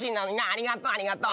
ありがとうありがとう。